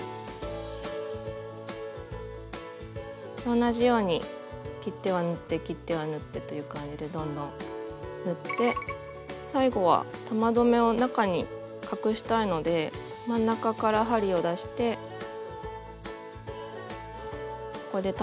同じように切っては縫って切っては縫ってという感じでどんどん縫って最後は玉留めを中に隠したいので真ん中から針を出してここで玉留めをします。